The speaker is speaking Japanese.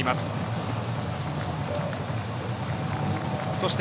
そして、